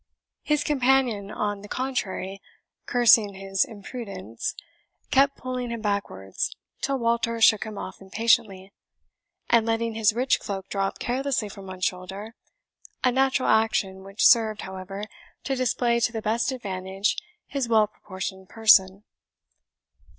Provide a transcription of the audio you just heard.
His companion, on the contrary, cursing his imprudence, kept pulling him backwards, till Walter shook him off impatiently, and letting his rich cloak drop carelessly from one shoulder; a natural action, which served, however, to display to the best advantage his well proportioned person.